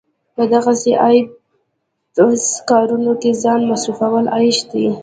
په دغسې عبث کارونو کې ځان مصرفول عيش دی.